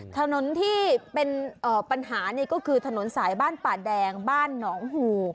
ถนนที่เป็นปัญหานี่ก็คือถนนสายบ้านป่าแดงบ้านหนองหู